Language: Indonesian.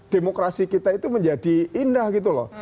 demokrasi kita itu menjadi indah gitu loh